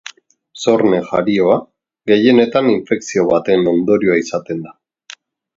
Zorne-jarioa, gehienetan, infekzio baten ondorioa izaten da.